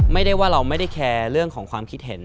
ไม่ได้ว่าเราไม่ได้แคร์เรื่องของความคิดเห็น